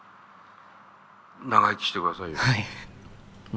長生きしてくださいよ。